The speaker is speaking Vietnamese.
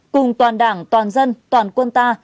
cùng toàn đảng toàn dân toàn quân ta